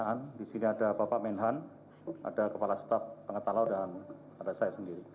kami kembalikan lagi kepada panglima tni